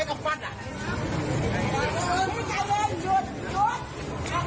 เห็นไหมคะลูกศรผู้ก่อเหตุคือเสื้อสีขาวอ่ะค่ะ